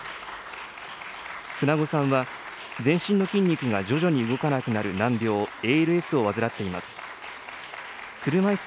舩後さんは、全身の筋肉が徐々に動かなくなる難病、ＡＬＳを患っています。